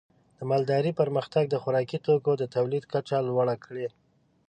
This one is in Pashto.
د مالدارۍ پرمختګ د خوراکي توکو د تولید کچه لوړه کړې.